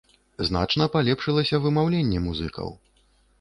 Значна палепшылася вымаўленне музыкаў.